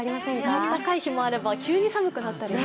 暖かい日もあれば、急に寒くなったりね。